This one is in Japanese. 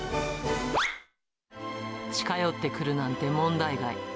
近寄ってくるなんて問題外。